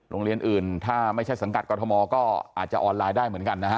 โรงเรียนอื่นถ้าไม่ใช่สังกัดกรทมก็อาจจะออนไลน์ได้เหมือนกันนะฮะ